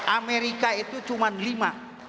amerika itu cuma lima